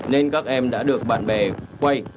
nên các em đã được bạn bè quay